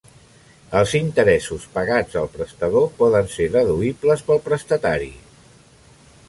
Els interessos pagats al prestador poden ser deduïbles pel prestatari.